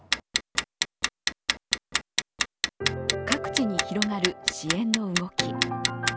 各地に広がる支援の動き。